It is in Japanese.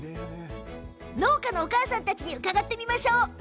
農家のお母さんたちに伺ってみましょう。